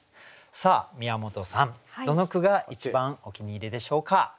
さあ宮本さんどの句が一番お気に入りでしょうか。